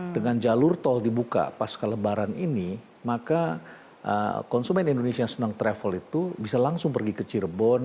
dengan jalur tol dibuka pas kelebaran ini maka konsumen indonesia yang senang travel itu bisa langsung pergi ke cirebon